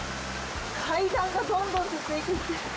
階段がどんどんと続いていって。